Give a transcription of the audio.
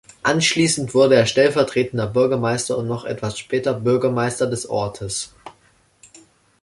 Anschließend wurde er stellvertretender Bürgermeister und noch etwas später Bürgermeister des Ortes.